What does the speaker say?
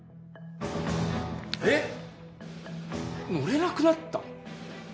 えっ、乗れなくなった？